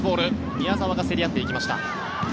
宮澤が競り合っていきました。